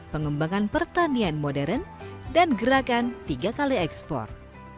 pengembangan pertanian modern dan gerakan tiga kali ekspor